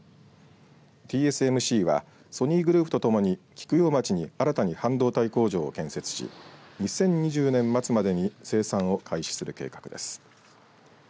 ＴＳＭＣはソニーグループとともに菊陽町に新たに半導体工場を建設し２０２４年末までに生産を開始する計画です。